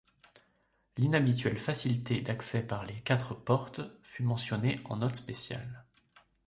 L'inhabituelle facilité d'accès par les quatre portes fut mentionnée en note spéciale.